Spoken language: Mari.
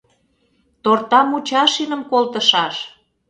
— Тортамучашиным колтышаш!